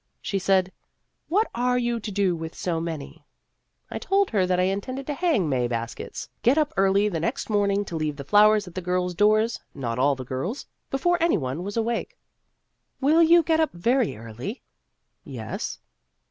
She said, "What are you going to do with so many ?" I told her that I intended to hang May baskets get up early the next morning to leave the flowers at the girls' doors (not all the girls) before any one was awake. " Will you get up very early ?" "Yes."